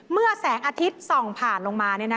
แสงอาทิตย์ส่องผ่านลงมา